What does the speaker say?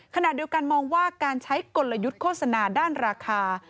ขณะเดียวกันมองว่าการใช้กลยุทธ์โฆษณาด้านราคา